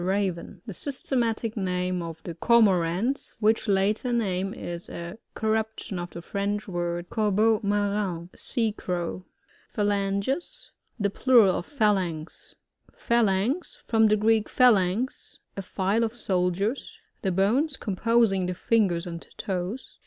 Raven, The systematic name of the Cor* morants, which latter name is a corruption of the French words, cor beau marine Sea crow. Phalanges. — The plural of Phalanx. Phalanx. — ^From the Gteek^phalagx, a file of soldiers. The bones com posing the fingers and toes.